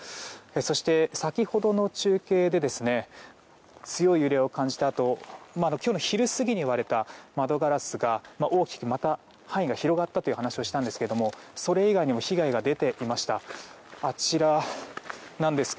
そして、先ほどの中継で強い揺れを感じたと今日の昼過ぎに割れた窓ガラスが大きくまた範囲が広がったという話をしましたがそれ以外にも被害が出ていました。